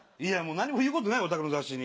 言うことないおたくの雑誌に。